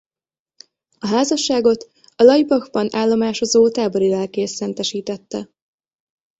A házasságot a Laibachban állomásozó tábori lelkész szentesítette.